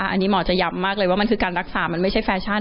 อันนี้หมอจะย้ำมากเลยว่ามันคือการรักษามันไม่ใช่แฟชั่น